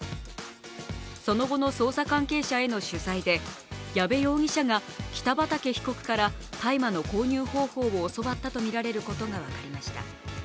その後の捜査関係者への取材で矢部容疑者が北畠被告から大麻の購入方法を教わったとみられることが分かりました。